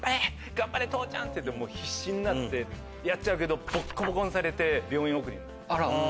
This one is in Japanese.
頑張れ父ちゃん」って必死になってやっちゃうけどボッコボコにされて病院送りになっちゃう。